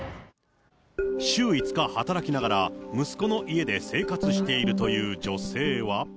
週５日働きながら、息子の家で生活しているという女性は。